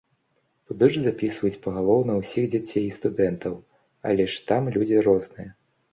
Туды ж запісваюць пагалоўна ўсіх дзяцей і студэнтаў, але ж там людзі розныя.